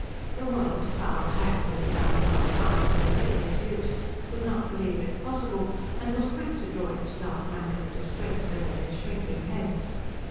The world, foul hag with the downcast eyes and lascivious lips, could not believe it possible, and was quick to draw its dark mantle of disgrace over their shrinking heads.